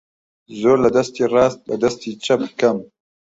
زۆر لە دەستی ڕاست لە دەستی چەپ کەم